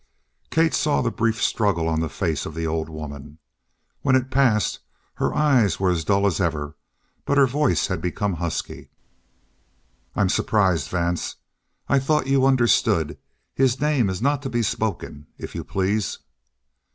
Kate saw the brief struggle on the face of the old woman. When it passed, her eyes were as dull as ever, but her voice had become husky. "I'm surprised, Vance. I thought you understood his name is not to be spoken, if you please."